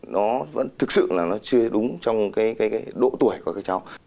nó thực sự chưa đúng trong độ tuổi của các cháu